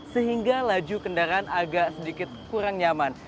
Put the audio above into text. sehingga laju kendaraan agak sedikit kurang nyaman